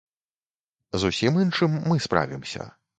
З усім іншым мы справімся.